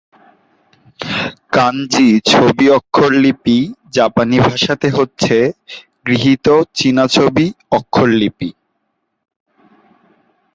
কাঞ্জি ছবি-অক্ষর লিপি জাপানি ভাষাতে হচ্ছে গৃহীত চীনা ছবি-অক্ষর লিপি।